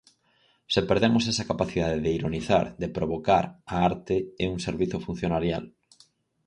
Se perdemos esa capacidade de ironizar, de provocar, a arte é un servizo funcionarial.